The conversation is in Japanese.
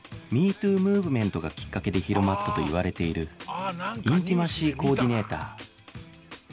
ムーブメントがきっかけで広まったといわれているインティマシー・コーディネーター